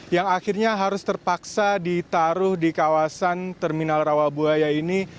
yang akhirnya harus terpaksa ditaruh di kawasan terminal rawabuaya ini